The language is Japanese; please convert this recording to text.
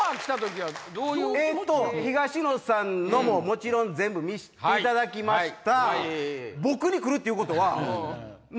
東野さんのももちろん全部見していただきました。